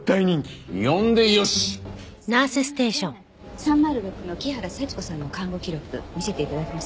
すみません３０６の木原幸子さんの看護記録見せて頂けます？